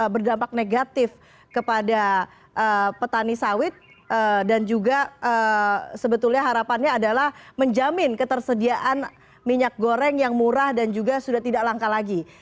berdampak negatif kepada petani sawit dan juga sebetulnya harapannya adalah menjamin ketersediaan minyak goreng yang murah dan juga sudah tidak langka lagi